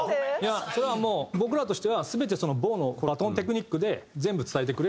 それはもう僕らとしては全て棒のバトンテクニックで全部伝えてくれって思ってる。